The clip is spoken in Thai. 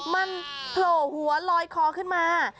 มันโผล่หัวลอยคอขึ้นมา